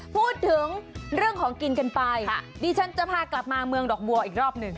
พูดถึงเรื่องของกินกันไปดิฉันจะพากลับมาเมืองดอกบัวอีกรอบหนึ่ง